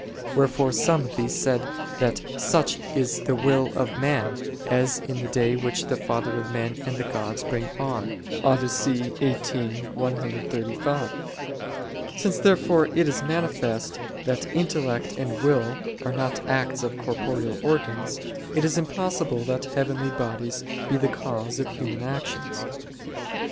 Wherefore some of these said that "such is the will of men, as is the day which the father of men and of gods brings on" (Odyssey xviii 135). Since, therefore, it is manifest that intellect and will are not acts of corporeal organs, it is impossible that heavenly bodies be the cause of human actions.